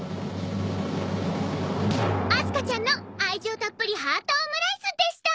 明日香ちゃんの愛情たっぷりハートオムライスでした！